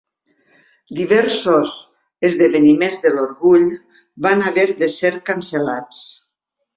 Diversos esdeveniments de l'Orgull van haver de ser cancel·lats.